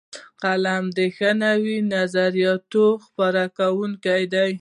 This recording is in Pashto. قلم د ښو نویو نظریاتو خپروونکی دی